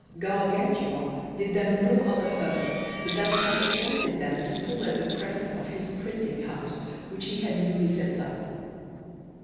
Gargantua did them no other hurt but that he appointed them to pull at the presses of his printing house which he had newly set up.